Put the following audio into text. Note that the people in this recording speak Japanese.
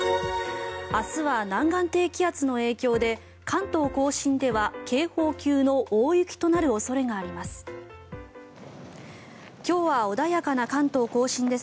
明日は南岸低気圧の影響で関東・甲信では警報級の大雪となる恐れがあります。